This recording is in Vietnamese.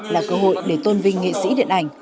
là cơ hội để tôn vinh nghệ sĩ điện ảnh